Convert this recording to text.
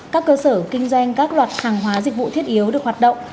các cơ sở kinh doanh các loại hàng hóa dịch vụ thiết yếu được hoạt động